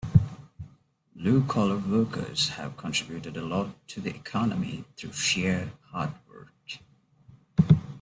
Blue collar workers have contributed a lot to the economy through sheer hard work.